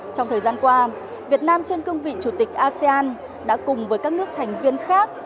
trong thời gian qua việt nam trên cương vị chủ tịch asean đã cùng với các nước thành viên khác